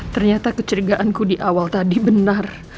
ternyata kecurigaanku di awal tadi benar